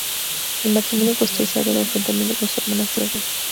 El matrimonio costó a Isabel el enfrentamiento con su hermanastro el rey.